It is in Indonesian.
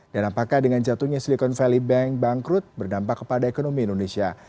dan apakah dengan jatuhnya silicon valley bank bangkrut berdampak kepada ekonomi indonesia